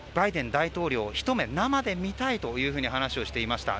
大統領ひと目、生で見たいと話していました。